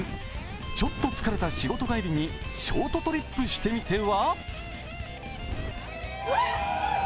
ちょっと疲れた仕事帰りにショートトリップしてみては？